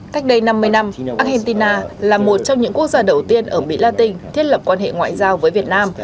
cách đây năm mươi năm argentina là một trong những quốc gia đầu tiên ở mỹ latin thiết lập quan hệ ngoại giao với việt nam